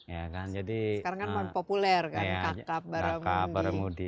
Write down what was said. sekarang kan populer kan kakab baramundi